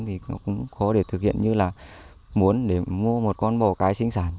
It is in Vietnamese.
thì nó cũng khó để thực hiện như là muốn để mua một con bò cái sinh sản